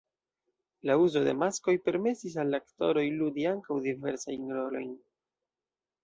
La uzo de maskoj permesis al la aktoroj ludi ankaŭ diversajn rolojn.